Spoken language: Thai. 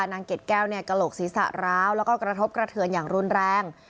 เกร็ดแก้วกระโหลกศีรษะร้าวแล้วก็กระทบกระเทือนอย่างรุนแรง